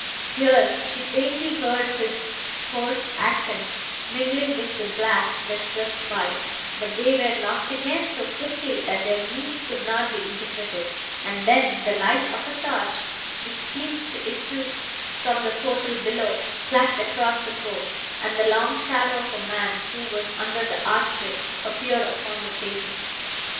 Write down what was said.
Here, she plainly heard his hoarse accents, mingling with the blast, that swept by, but they were lost again so quickly, that their meaning could not be interpreted; and then the light of a torch, which seemed to issue from the portal below, flashed across the court, and the long shadow of a man, who was under the arch way, appeared upon the pavement.